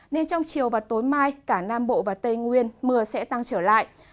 nên trong chiều và tối mai cả nam bộ và tây nguyên mưa sẽ tăng trở lại